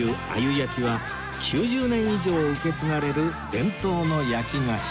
やきは９０年以上受け継がれる伝統の焼き菓子